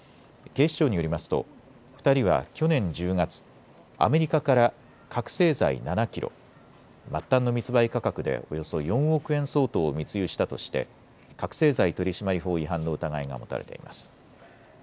警視庁によりますと２人は去年１０月、アメリカから覚醒剤７キロ、末端の密売価格でおよそ４億円相当を密輸したとして覚醒剤取締法違反の疑いが持たれています。